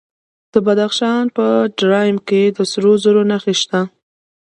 د بدخشان په درایم کې د سرو زرو نښې شته.